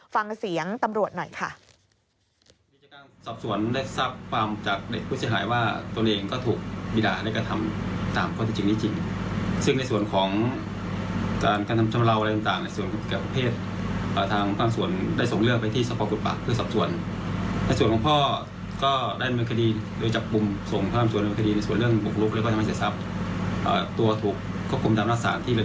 ฟังเสียงตำรวจหน่อยค่ะ